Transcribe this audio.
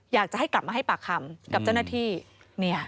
อยากจะให้กลับมาให้ปากคำกับเจ้าหน้าที่